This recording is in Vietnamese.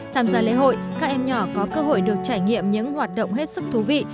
tham gia lễ hội các em nhỏ có cơ hội được trải nghiệm những hoạt động hết sức thú vị